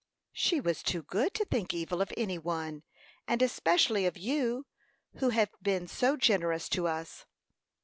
"She was too good to think evil of any one, and especially of you, who have been so generous to us."